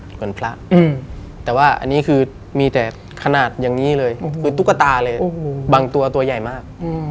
เหมือนพระแต่ว่าอันนี้คือมีแต่ขนาดอย่างนี้เลยคือตุ๊กตาเลยบางตัวตัวใหญ่มาก